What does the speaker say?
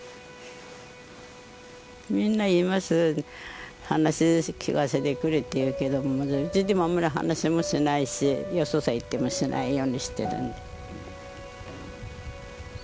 みんな言います話聞かせてくれって言うけどあんまり話もしないしよそさ行ってもしないようにしてるんで。